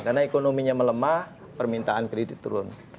karena ekonominya melemah permintaan kredit turun